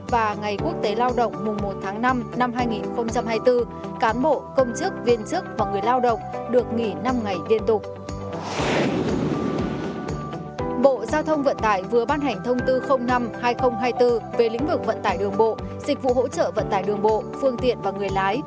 bộ giao thông vận tải vừa ban hành thông tư năm hai nghìn hai mươi bốn về lĩnh vực vận tải đường bộ dịch vụ hỗ trợ vận tải đường bộ phương tiện và người lái